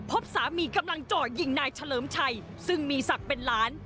พบสามีกำลังเจาะยิงนายเฉลิมชัยซึ่งมีศักดิ์เป็นหลาน